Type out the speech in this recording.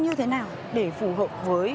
như thế nào để phù hợp với